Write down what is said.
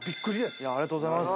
ありがとうございます。